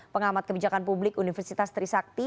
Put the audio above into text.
pengamat kebijakan publik universitas trisakti